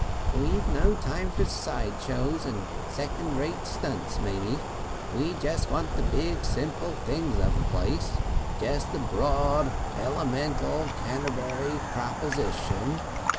"We've no time for side shows and second rate stunts, Mamie. We want just the Big Simple Things of the place, just the Broad Elemental Canterbury praposition.